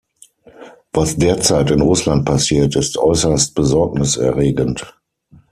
Was derzeit in Russland passiert, ist äußerst besorgniserregend.